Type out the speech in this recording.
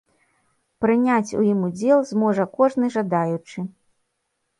Прыняць у ім удзел зможа кожны жадаючы.